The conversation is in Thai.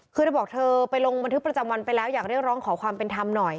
คือเธอบอกเธอไปลงบันทึกประจำวันไปแล้วอยากเรียกร้องขอความเป็นธรรมหน่อย